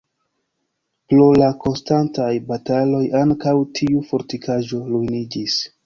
Pro la konstantaj bataloj ankaŭ tiu fortikaĵo ruiniĝis.